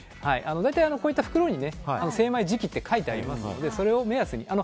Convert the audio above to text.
大体、袋に精米時期って書いてありますからそれを目安に。